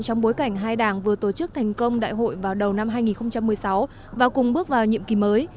trong bối cảnh hai đảng vừa tổ chức thành công đại hội vào đầu năm hai nghìn một mươi sáu và cùng bước vào nhiệm kỳ mới